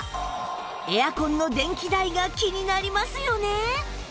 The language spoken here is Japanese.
エアコンの電気代が気になりますよね